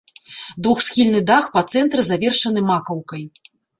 Двухсхільны дах па цэнтры завершаны макаўкай.